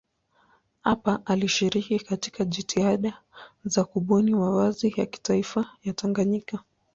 Hapa alishiriki katika jitihada za kubuni mavazi ya kitaifa ya Tanganyika.